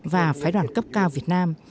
và phái đoàn cấp cao việt nam